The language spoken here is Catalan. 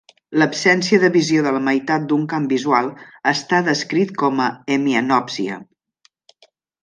L'absència de visió de la meitat d'un camp visual està descrit com a "hemianopsia".